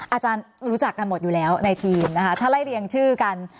อาจารย์รู้จักกันหมดอยู่แล้วในทีมนะคะถ้าไล่เรียงชื่อกัน